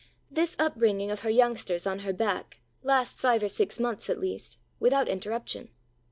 This upbringing of her youngsters on her back lasts five or six months at least, without interruption.